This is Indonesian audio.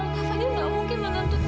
kak fadil nggak mungkin akan menuntut